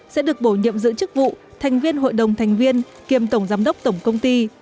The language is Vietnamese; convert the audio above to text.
sẽ được bổ nhiệm giữ chức vụ thành viên hội đồng thành viên kiêm tổng giám đốc tổng công ty